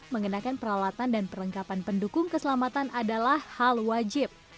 mengenakan peralatan dan perlengkapan pendukung keselamatan adalah hal wajib